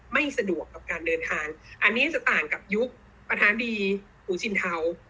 ไม่สะดวกกับการเดินทางอันนี้จะต่างกับยุคประธานีหูชินเทา